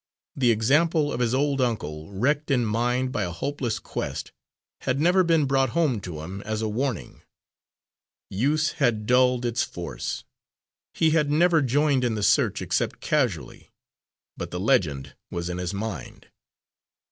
The example of his old uncle, wrecked in mind by a hopeless quest, had never been brought home to him as a warning; use had dulled its force. He had never joined in the search, except casually, but the legend was in his mind.